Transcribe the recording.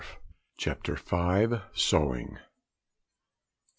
CHAPTER V. SEWING.